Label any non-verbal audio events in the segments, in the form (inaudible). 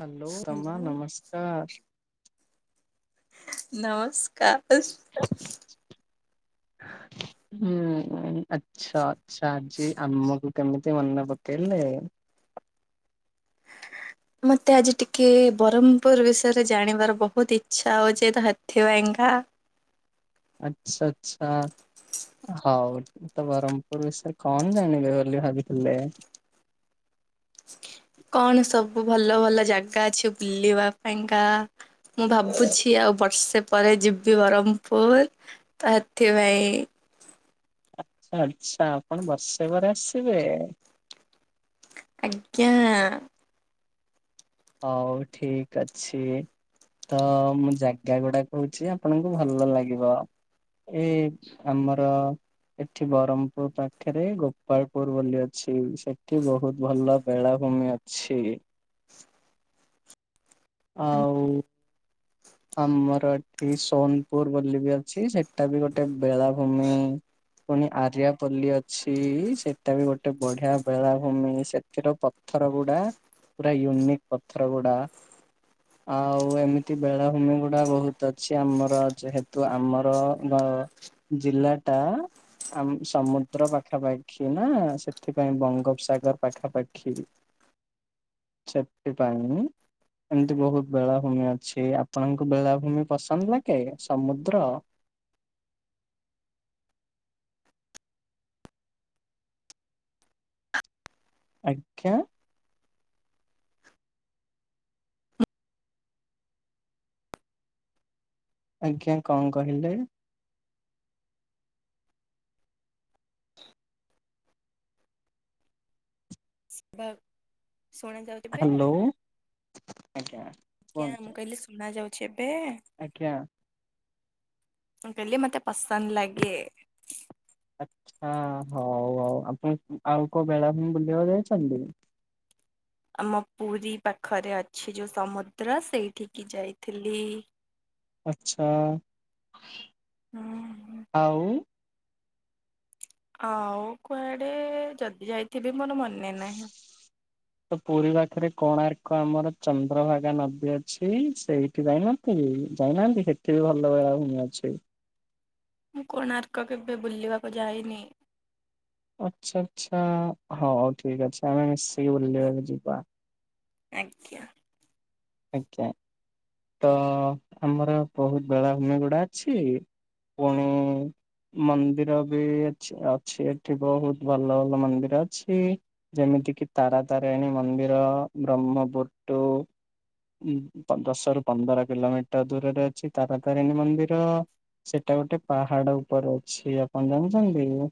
Hello, Rama ନମସ୍କାର। ନମସ୍କାର। ହେସ୍ ସୁ। ହୁଁ। ଆଚ୍ଛ ଆଚ୍ଛା। ଆଜି ଆମକୁ କେମିତି ମନେ ପକେଇଲ? ମୋତେ ଆଜି ଟିକେ ବରହମ୍ପୁର ବିଷୟରେ ଜାଣିବାର ବହୁତ ଇଚ୍ଛା ହେଉଛି ତ ସେଥିପାଇଁ କା। ଆଚ୍ଛା ଆଚ୍ଛା। ହଉ ତ ବରହମ୍ପୁର ବିଷୟରେ କଣ ଜାଣିବ ବୋଲି ଭାବିଥିଲେ? କଣ ସବୁ ଭଲ ଭଲ ଜାଗା ଅଛି ବୁଲିବା ପାଇଁକା? ମୁଁ ଭାବୁଛି ଆଉ ବର୍ଷେ ପରେ ଯିବି ବରହମ୍ପୁର। ତ ହେଥି ପାଇଁ। ଆଚ୍ଛା ଆଚ୍ଛା। ଆପଣ ବର୍ଷେ ପରେ ଆସିବେ? ଆଜ୍ଞା। ହଉ ଠିକ୍ ଅଛି। ତ ମୁଁ ଜାଗାଗୁଡା କହୁଛି। ଆପଣଙ୍କୁ ଭଲ ଲାଗିବ। ଏଇ ଆମର ଏଠି ବରହମ୍ପୁର ପାଖରେ ଗୋପାଳପୁର ବୋଲି ଅଛି। ସେଠି ବହୁତ ଭଲ ବେଳାଭୂମି ଅ ଛି। ଆଉ ଆମର ଏଠି ସୋନପୁର ବୋଲି ବି ଅଛି, ସେଟା ବି ଗୋଟେ ବେଳାଭୂମି। ପୁଣି ଆର୍ଯ୍ୟପଲ୍ଲୀ ଅଛି ସେଟା ବି ଗୋଟେ ବଢିଆ ବେଳାଭୂମି। ସେଥିର ପ ଥରଗୁଡା ପୁରା ୟୁନିକ୍ ପଥରଗୁଡା। ଆଉ ଏମିତି ବେଳାଭୂମିଗୁଡା ବହୁତ ଅଛି ଆମର। ଯେହେତୁ ଆମର ମେ ଜିଲ୍ଲାଟା ଆମକୁ ସମୁଦ୍ର ପାଖାପାଖି ନା ସେଥିପାଇଁ ବଙ୍ଗୋପସାଗର ପାଖାପାଖି। ହ (inaudible) ସେଥିପାଇଁ କି ଏମତି ବହୁତ ବେଳାଭୂମି ଅ ଛି। ଆପଣଙ୍କୁ ବେଳାଭୂମି ପସନ୍ଦ ଲାଗେ। ସମୁଦ୍ର ଆଜ୍ଞା। ଆଜ୍ଞା କଣ କହିଲେ? ମ୍ୟାମ୍ ଶୁଣା ଯାଉ ହ୍ୟାଲୋ। ଆଜ୍ଞା, ମୁଁ କୁହନ୍ତୁ କହିଲି ଶୁଣା ଯାଉଛି ଏବେ? ଆଜ୍ଞା। ମୁଁ କଇଲି, ମୋତେ ପସନ୍ଦ ଲାଗେ। ଆଛା। ହଉ ହଉ, ଆପଣ ଆଉ କୋଉ ବେଳାଭୂମି ବୁଲିବାକୁ ଯାଇଛନ୍ତି? ଆମ ପୁରୀ ପାଖରେ ଅଛି ଯୋଉ ସମୁଦ୍ର ସେଇଠିକି ଯାଇଥିଲି। ଆଚ୍ଛା। ହୁଁଁ। ଆଉ ଆଉ କୁଆଡ଼େ, ଯଦି ଯାଇଥିବି ମୋର ମନେ ନାହିଁ। ତ ପୁରୀ ପାଖରେ କୋଣାର୍କ ଆମର ଚନ୍ଦ୍ରଭାଗା ନଦୀ ଅଛି ସେଇଥି (unintelligible) ଇ ଯାଇନାହାନ୍ତି? ସେଠି ବି ଭଲ ବେଳାଭୂମି ଅଛି। ମୁଁ କୋଣାର୍କ କେବେ ବୁଲିବାକୁ ଯାଇନି। ଆଚ୍ଛା ଆଛା। ହଉ ଠିକ ଅଛି ଆମେ ମିଶିକି ବୁଲିବାକୁ ଯିବା। ଆଜ୍ଞା। ଆଜ୍ଞା। ତ ଆମର ବହୁତ ବେଳାଭୂମି ଗୁଡା ଅଛି। ପୁଣି ମନ୍ଦିର ବି ଏଛି ଅଛି ଏଠି ବହୁତ ଭଲ ଭଲ ମନ୍ଦିର ଅଛି। ଯେମିତି କିି ତାରା ତାରାଣୀ ମନ୍ଦିର ବ୍ରହ୍ମପୁଟୁ। ଉ ଦଶ ରୁ ପନ୍ଦର କିଲୋମିଟର ଦୂରରେ ଅଛି ତାରାତାରିଣୀ ମନ୍ଦିର। ସେଟା ଗୋଟେ ପାହାଡ ଉପରେ ଅଛି। ଆପଣ ଜାଣିଛନ୍ତି କି?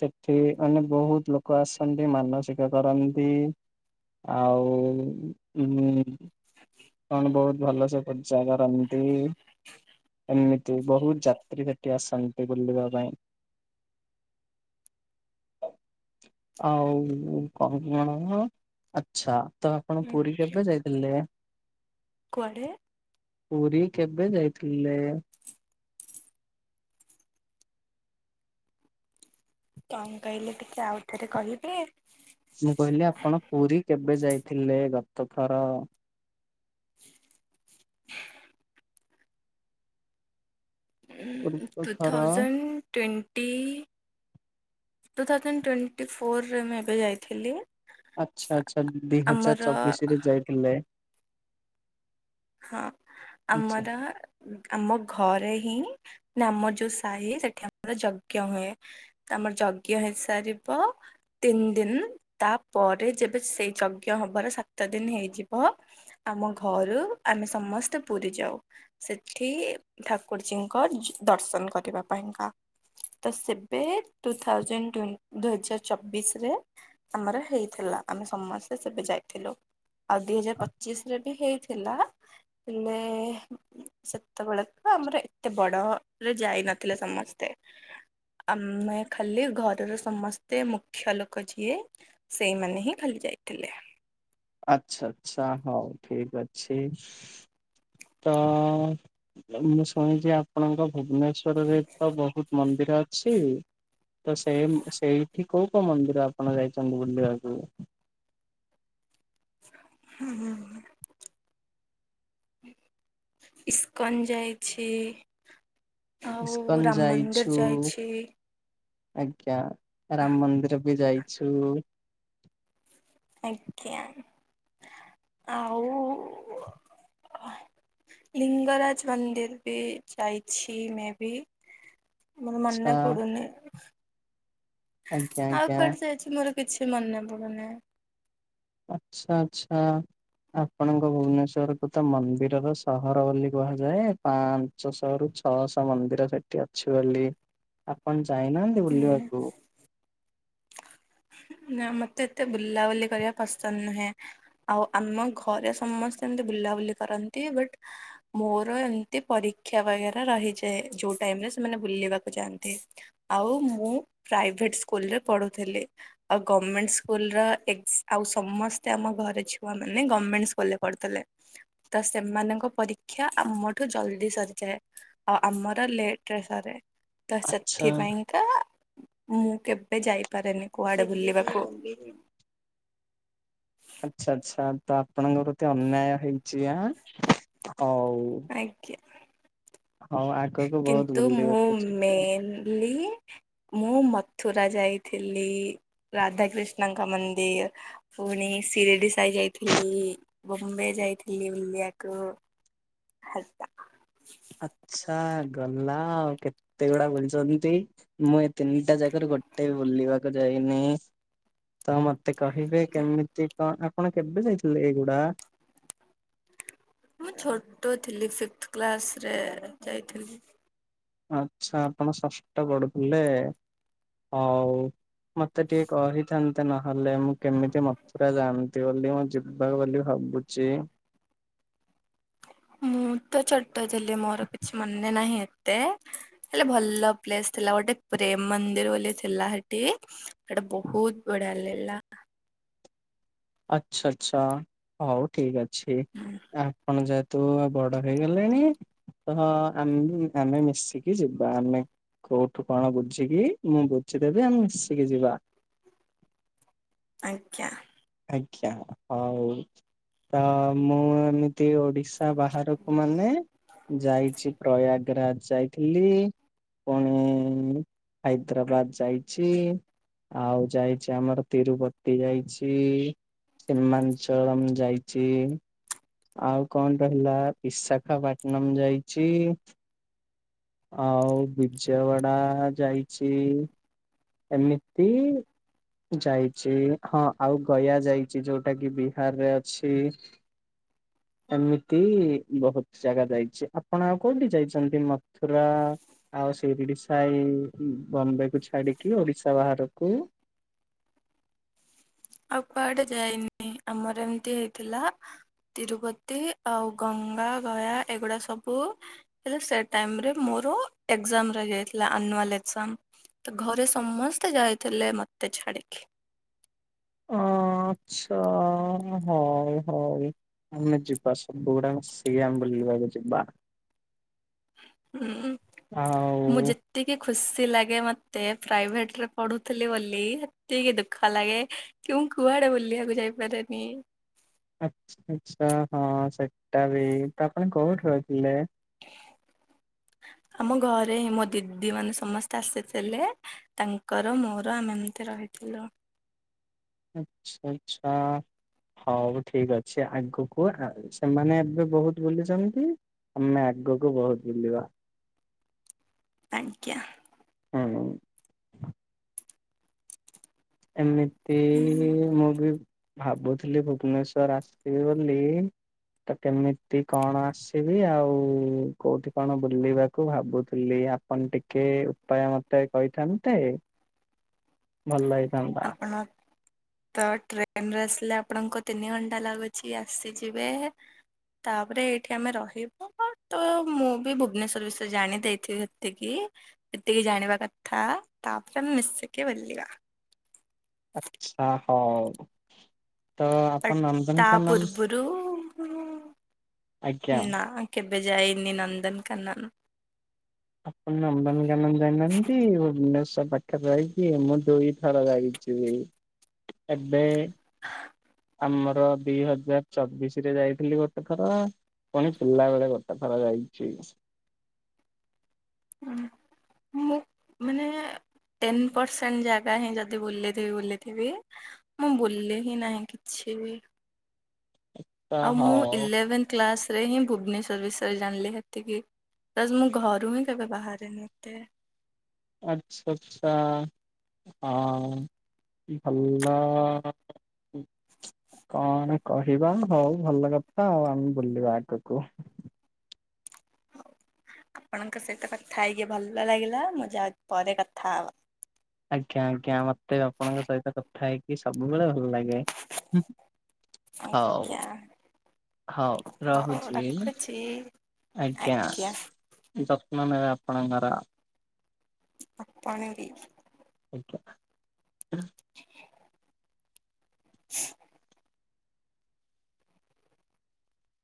ସେଠି ମାନେ ବହୁତ ଲୋକ ଆସନ୍ତି। ମାନସିକ କରନ୍ତି। ଆଉ ଉ କଣ ବହୁତ ଭଲ ସେ ପୂଜା କରନ୍ତି। ଏମିତି ବହୁତ ଯାତ୍ରୀ ସେଠି ଆସନ୍ତି ବୁଲିବା ପାଇଁ। ଆଉ କଣ (unintelligible) ଆଛା, ତ ଆପଣ ପୁରୀ କେବେ ଯାଇଥିଲେ? କୁଆଡ଼େ? ପୁରୀ କେବେ ଯାଇଥିଲେ? କଣ କହିଲେ ଟିକେ ଆଉ ଥରେ କହିବେ? ମୁଁ କହିଲି ଆପଣ ପୁରୀ କେବେ ଯାଇଥିଲେ ଗତ ଥର? ହ ପୂର୍ବ ଟୁ ଥର ଥାଉ ଜେଣ୍ଡ ଟେନ। ଟି ଟୁ ଥାଉଜଣ୍ଡ ଟ୍ୱେଣ୍ଟି ଫୋରରେ ମୁଁ ଏବେ ଯାଇଥିଲି। ଆଚ୍ଛା ଆଚ୍ଛା। ଦି ଆମର ହଜାର ଚବିଶ ରେ ଯାଇଥିଲେ। ହଁ, ଆଚ୍ଛା ଆମର ଆମ ଘରେ ହିଁ, ନା ଆମ ଯୋଉ ସାହି ସେଠି ଆମର ଯଜ୍ଞ ହୁଏ। ଆମର ଯଜ୍ଞ ହେଇସାରିବ। ତିନି ଦିନ। ତାପରେ ଯେବେ ସେଇ ଯଜ୍ଞ ହବାର ସାତ ଦିନ ହେଇଯିବ। ଆମ ଘରୁ ଆମେ ସମସ୍ତେ ପୁରୀ ଯାଉ। ସେଠି ଠାକୁରଜୀଙ୍କ ଦର୍ଶନ କରିବା ପାଇଁକା। ତ ସେବେ ଟୁ ଥାଉଜେଣ୍ଟ ଟୋନ ଦୁଇ ହଜାର ଚବିଶ ରେ। ଆମର ହେଇଥିଲା। ଆମେ ସମସ୍ତେ ସେବେ ଯାଇଥିଲୁ। ଆଉ ଦୁଇ ହଜାର ପଚିଶରେ ବି ହେଇଥିଲା। ମେ ସେତେବେଳେ ତ ଆମର ଏତେ ବଡ ରେ ଯାଇ ନଥିଲେ ସମସ୍ତେ। ଆମେ ଖାଲି ଘରର ସମସ୍ତେ ମୁଖ୍ୟ ଲୋକ ଯିଏ। ସେଇମାନେ ହିଁ ଖାଲି ଯାଇଥିଲେ। ଆଚ୍ଛା ଆଛା ହଉ ଠିକ ଅଛି, ତ। ମୁଁ ଶୁଣିଛି ଆପଣଙ୍କ ଭୁବନେଶ୍ଵରରେ ତ ବହୁତ ମନ୍ଦିର ଅଛି। ତ ସେଇ ସେଇଠି କୋଉ କୋଉ ମନ୍ଦିର ଆପଣ ଯାଇଛନ୍ତି ବୁଲିବାକୁ? ହୁଁ ହୁଁ ହୁଁ ଇସ୍କନ୍ ଯାଇଛି, ଆଉ ଇସ୍କନ ରାମ ମନ୍ଦିର ଯାଇଛୁ ଯାଇଛି, ଆଜ୍ଞା, ରାମ ମନ୍ଦିର ବି ଯାଇଛୁ। ଆଜ୍ଞା ଆଉ ଲିଙ୍ଗରାଜ ମନ୍ଦିର ବି ଯାଇଛି ମେ ବି। ମୋର ଆଚ୍ଛା ମନେ ପଡ଼ୁନି। ଆଜ୍ଞା ଆଉ ଆଜ୍ଞା। କୁଆଡେ ଯାଇଛି ମୋର କିଛି ମନେ ପଡୁନି। ଆଛା ଆଚ୍ଛା। ଆପଣଙ୍କ ଭୁବନେଶ୍ଵରକୁ ତ ମନ୍ଦିରର ସହର ବୋଲି କୁହାଯାଏ ପା। ପାଞ୍ଚଶହରୁ ଛଅଶହ ମନ୍ଦିର ସେଠି ଅଛି ବୋଲି ଆପଣ ଯାଇନାହାନ୍ତି ହୁଁ ହୁଁ। ବୁଲିବାକୁ? ନା ମତେ ଏତେ ବୁଲାବୁଲି କରିବା ପସନ୍ଦ ନୁହେଁ। ଆଉ ଆମ ଘରେ ସମସ୍ତେ ଏମିତି ବୁଲାବୁଲି କରନ୍ତି ବଟ୍ ମୋର ଏମିତି ପରୀକ୍ଷା ବଗେରା ରହିଯାଏ ଯୋଉ ଟାଇମରେ ସେମାନେ ବୁଲିବାକୁ ଯାଆନ୍ତି। ଆଉ ମୁଁ ପ୍ରାଇଭେଟ୍ ସ୍କୁଲରେ ପଢ଼ୁଥିଲି। ଆଉ ଗଭମେଣ୍ଟ ସ୍କୁଲର ଏକ୍ସ ଆଉ ସମସ୍ତେ ଆମ ଘରେ ଛୁଆ ମାନେ ଗଭଣମେଣ୍ଟ ସ୍କୁଲରେ ପଢୁଥିଲେ ତ ସେମାନଙ୍କ ପରୀକ୍ଷା ଆମଠୁ ଜଲଦି ସରିଯାଏ। ଆଉ ଆମର ଲେଟରେ ସରେ। ତ ଆଚ୍ଛା ସେଥିପାଇଁକା ମୁଁ କେବେ ଯାଇପାରେନି। କୁଆଡେ ବୁଲିବାକୁ ଆଚ୍ଛା ଆଚ୍ଛା ତ ଆପଣଙ୍କ ପ୍ରତି ଅନ୍ୟାୟ ହେଇଛି ହାଁ, ହଉ। ଆଜ୍ଞା। ହଉ ଆଗକୁ ବହୁତ କିନ୍ତୁ ମୁଁ ବୁଲିବାକୁ ଯିବେ ମେନଲି ମୁଁ ମଥୁରା ଯାଇଥିଲି ରାଧାକୃିଷ୍ଣଙ୍କ ମନ୍ଦିର, ପୁଣି ସିରିଡିସାଇ ଯାଇଥିଲି, ବମ୍ବେ ଯାଇଥିଲି ବୁଲିବାକୁ। (unintelligible) ଆଚ୍ଛା ଗଲା ଆଉ କେତେ ଗୁଡା ବୁଲିଛନ୍ତି। ମୁଁ ଏ ତିନିଟା ଜାଗାରୁ ଗୋଟେ ବି ବୁଲିବାକୁ ଯାଇନି। ତ ମତେ କହିବେ କେମିତି କଣ, ଆପଣ କେବେ ଯାଇଥିଲେ ଏଇଗୁଡା? ମୁଁ ଛୋଟ ଥିଲି ଫିଫଥ କ୍ଲାସରେ ଯାଇଥିଲି। ଆଚ୍ଛା ଆପଣ ଷଷ୍ଠ ପଢୁଥିଲେ। ହଉ ମତେ ଟିକେ କହିଥାନ୍ତେ, ନହେଲେ ମୁଁ କେମିତି (unintelligible) ଜାଣନ୍ତି ବୋଲି ମୁଁ ଯିବା ବୋଲି ଭାବୁଛି। ମୁଁ ତ ଛୋଟ ଥିଲି ମୋର କିଛି ମନେ ନାହିଁ ଏତେ। ହେଲେ ଭଲ ପ୍ଲେସ ଥିଲା ଗୋଟେ ପ୍ରେମ ମନ୍ଦିର ବୋଲି ଥିଲା ସେଠି। ସେଇଟା ବହୁତ ବଢିଆ ଲାଗିଲା। ଆଛା ଆଛା ହଉ ଠିକ ଅଛି ହୁଁ, ଆପଣ ଯେ ଯେହେତୁ ବଡ ହେଇଗଲେଣି ତ ଆମେ ମିଶିକି ଯିବା ଆମେ। କୋଉଠୁ କଣ ବୁଝିକି ମୁଁ ବୁଝିଦେବି ଆମେ ମିଶିକି ଯିବା। ଆଜ୍ଞା। ଆଜ୍ଞା ହଉ ତ ମୁଁ ଏମି ତି ଓଡିଶା ବାହାରକୁ ମାନେ ଯାଇଛି ପ୍ରୟାଗରାଜ ଯାଇଥିଲି। ପୁଣି ହାଇଦ୍ରାବାଦ ଯାଇଛି। ଆଉ ଯାଇଚି ଆମର ତିରୁପତି ଯାଇଛି। କି ସିମାଞ୍ଚଳମ ଯାଇଚି। ଆଉ କଣ ରହିଲା ବିଶାଖାପାଟନମ ଯାଇଛି। ଆଉ ବିଜୟୱାଡା ଯାଇଛି। ଏମିତି ଯାଇଛି ହଁ ଆଉ ଗୟା ଯାଇଛି ଯୋଉଟା କି ବିହାରରେ ଅଛି। ଏମିତି ବହୁତ ଜାଗା ଯାଇଚି। ଆପଣ ଆଉ କୋଉଠି ଯାଇଛନ୍ତି ମଥୁରା ଆଉ ସିରିଡିଶାଇ ବମ୍ବେ କୁ ଛାଡିକି ଓଡିଶା ବାହାରକୁ? ଆଉ କୁଆଡେ ଯାଇନି ଆମର ଏମିତି ହେଇଥିଲା। ତିରୁପତି ଆଉ ଗଙ୍ଗା, ଗୟା ଏଗୁଡା ସବୁ ହେଲେ ସେ ଟାଇମ୍ ରେ ମୋର ଏକ୍ଜାମ୍ ରହିଯାଇଥିଲା ଆନୁଆଲ୍ ଏକ୍ଜାମ୍। ତ ଘରେ ସମସ୍ତେ ଯାଇଥିଲେ ମତେ ଛାଡିକି। ଆ ଚ୍ଛା ହଉ ହଉ। ଆମେ ଯିବା ସବୁ ଗୁଡ଼ାଙ୍କ ସେଇଆମେ ବୁଲିିବାକୁ ଯିବା। ହୁଁ ମୁଁ ଆଉ ଯେ ତିକି ଖୁସି ଲାଗେ ମତେ ପ୍ରାଇଭେଟ ରେ ପଢୁଥିଲି ବୋଲି ସେତିକି ଦୁଃଖ ଲାଗେ କି ମୁଁ କୁଆଡେ ବୁଲିଆକୁ ଯାଇପାରେନି। ଆଚ୍ଛା ଆଚ୍ଛା ହଁ ସେଟା ବି ତ ଆପଣ କୋଉଠୁ ରହିଥିଲେ? ଆମ ଘରେ ମୋ ଦିଦି ମାନେ ସମସ୍ତେ ଆସିଥିଲେ ତାଙ୍କର ମୋର ଆମେ ଏମତି ରହିଥିଲୁ। ଆଚ୍ଛା ଆଚ୍ଛା। ହଉ ଠିକ୍ ଅଛି ଆଗକୁ ଏଁ ସେମାନେ ଏବେ ବହୁତ୍ ବୁଲୁଛନ୍ତି ଆମେ ଆଗକୁ ବହୁତ୍ ବୁଲିବା। ଆଜ୍ଞା। ହୁଁ। ଏମିତି ମୁଁ ବି ଭାବୁଥିଲି ଭୁବନେଶ୍ଵର ଆସିବି ବୋଲି ତ କେମିତି କଣ ଆସିବି ଆଉ କୋଉଠି କଣ ବୁଲିବାକୁ ଭାବୁଥିଲି ଆ ପଣ ଟିକେ ଉପାୟ ମତେ କହିଥାନ୍ତେ। ହ ଭଲହେ ଆପଣ ତ ଟ୍ରେନରେ ଆସିଲେ ଆପଣଙ୍କ ତିନି ଘଣ୍ଟା ଲାଗୁଛି ଆସିଯିବେ। ତାପରେ ଏଇଠି ଆମେ ରହିବୁ ହଁ ତ ମୁଁ ବି ଭୁବନେଶ୍ଵର ବିଷୟରେ ଜାଣି ଦେଇଥିବି ଏତିକି ଯେତିକି ଜାଣିବା କଥା ତାପରେ ଆମ ମିଶିକି ବୁଲିବା। ଆଚ୍ଛା ହଉ ତ ଆପଣ ନନ୍ଦନକାନନ ରୁମ୍ ରୁ ଆଜ୍ଞା ନା କେବେ ଯାଇନି ନନ୍ଦନକାନନ‌। ଆପଣ ନନ୍ଦନକାନନ ଯାଇନାହାନ୍ତି ଭୁବନେଶ୍ୱର ପାଖରେ ରହିକି ମୁଁ ଦୁଇ ଥର ଯାଇ ସିମେଇ ଏବେ ହଁ ଆମର ଦି ହଜାର ଚବିଶ ରେ ଯାଇଥିଲି ଗୋଟେ ଥର। ପୁଣି ପିଲା ବେଳେ କେତେଥର ଯାଇଚି। ହଁ, ମୁଁ ମାନେ ଟେନ୍ ପରସେଣ୍ଟ୍ ଜାଗା ହିଁ ଯଦି ବୁଲିିଥିବି, ବୁଲିଥିବି ମୁଁ ବୁଲି ହିଁ ନାହିଁ କିଛି ବି। ତା ଆଉ ମୁଁ ହଉ ଇଲେଭେନ୍ କ୍ଲାସ ରେ ହିଁ ଭୁବନେଶ୍ୱର ବିଷୟରେ ଜାଣିଲି, ହେତିକି। ବାସ୍ ମୁଁ ଘରୁ ହିଁ କେବେ ବାହାରେନି ଏତେ। ଆଛା, ଆଛା। ହଁ, ଭଲ କଣ କହିବା, ହଉ ଭଲ କଥା ଆଉ, ଆମେ ବୁଲିବା ଆଗକୁ। ଆପଣଙ୍କ ସହିତ କଥା ହେଇକି ଭଲ ଲାଗିଲା, ମୁଁ ଯାଉଚି ପରେ କଥା ହେବା। ଆଜ୍ଞା, ଆଜ୍ଞା, ମତେ ଆପଣଙ୍କ ସହିତ କଥା ହେଇକି ସବୁବେଳେ ଭଲ ଲାଗେ। ହୁଁ ହୁଁ ଆଜ୍ଞା। ହଉ ହଉ ରହୁଚି, ରଖୁଛି ଆଜ୍ଞା। ଯତ୍ନ ନେବେ ଆପଣଙ୍କର ଆପଣ ବି ଆଜ୍ଞା। (unintelligible)